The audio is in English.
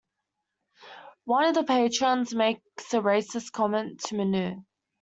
One of the patrons makes a racist comment to Manu.